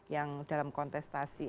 yang dalam kontestasi